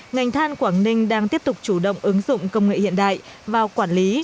ngành than quảng ninh đang tiếp tục chủ động ứng dụng công nghệ hiện đại vào quản lý